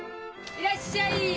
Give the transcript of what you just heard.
いらっしゃい！